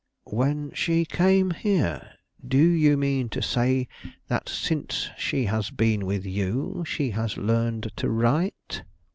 "When she came here! Do you mean to say that since she has been with you she has learned to write?"